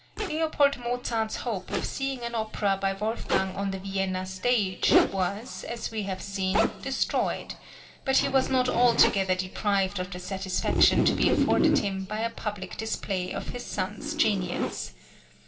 L. Mozart's hope of seeing an opera by Wolfgang on the Vienna stage was, as we have seen, destroyed; but he was not altogether deprived of the satisfaction to be afforded him by a public display of his son's genius.